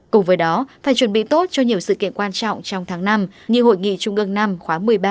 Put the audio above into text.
cùng với đó phải chuẩn bị tốt cho nhiều sự kiện quan trọng trong tháng năm như hội nghị trung ương năm khóa một mươi ba